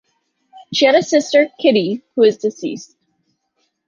She had a sister, Kitty, who is deceased.